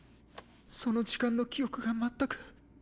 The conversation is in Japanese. その時間の記憶が全く。